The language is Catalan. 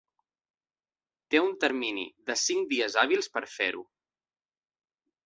Té un termini de cinc dies hàbils per a fer-ho.